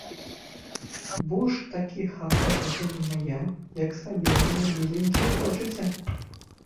Бо ж такі хата гэта не мая, як сабе, мае міленькія, хочаце.